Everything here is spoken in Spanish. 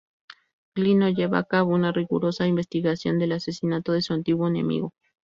Glynn no lleva a cabo una rigurosa investigación del asesinato de su antiguo enemigo.